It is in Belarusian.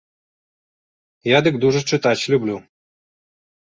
Я дык дужа чытаць люблю.